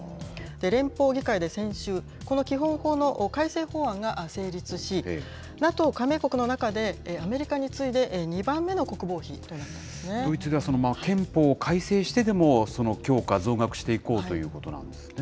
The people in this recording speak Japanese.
連邦議会で先週、この基本法の改正法案が成立し、ＮＡＴＯ加盟国の中でアメリカに次いで２番目の国防費ということドイツは憲法を改正してでも強化、増額していこうということなんですね。